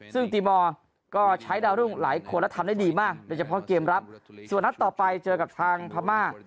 ซึ่งตีมอร์ก็ใช้ดาวรุ่งหลายคนและทำได้ดีมากโดยเฉพาะเกมรับส่วนนัดต่อไปเจอกับทางพม่า